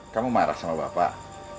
kamu marah sama bapak